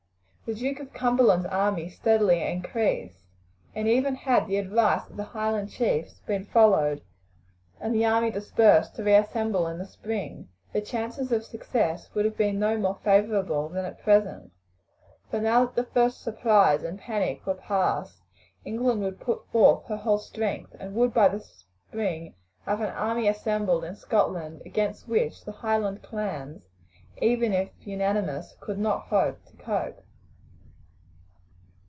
The Duke of Cumberland's army steadily increased, and even had the advice of the Highland chiefs been followed and the army dispersed to reassemble in the spring, the chances of success would have been no more favourable than at present, for now that the first surprise and panic were past England would put forth her whole strength, and would by the spring have an army assembled in Scotland against which the Highland clans, even if unanimous, could not hope to cope.